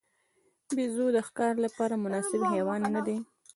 بیزو د ښکار لپاره مناسب حیوان نه دی.